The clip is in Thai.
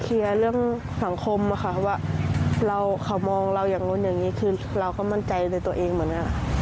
ก็เคลียร์เรื่องสังคมว่าเราเขามองเราอย่างน้อยอย่างนี้คือเราก็มั่นใจในตัวเองเหมือนกัน